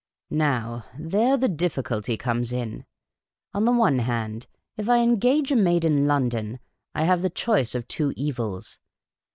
Now, there the difficulty comes in. On the one hand, if I engage a maid in London, I have the choice of two evils.